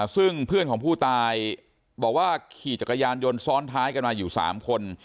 ซึ่งเพื่อนของผู้ตายบอกว่าขี่จักรยานยนต์ซ้อนท้ายกันมาอยู่๓คน